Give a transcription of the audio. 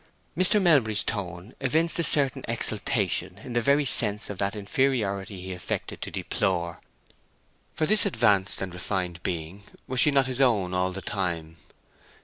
Mr. Melbury's tone evinced a certain exultation in the very sense of that inferiority he affected to deplore; for this advanced and refined being, was she not his own all the time?